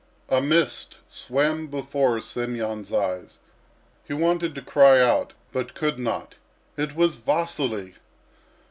A mist swam before Semyon's eyes; he wanted to cry out, but could not. It was Vasily!